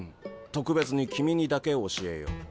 特別に君にだけ教えよう。